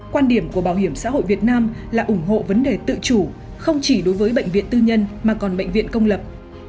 quan điểm của bảo hiểm xã hội việt nam là ủng hộ vấn đề tự chủ không chỉ đối với bệnh viện tư nhân mà còn bệnh viện công lập